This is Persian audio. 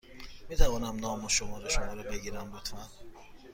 می توانم نام و شماره شما را بگیرم، لطفا؟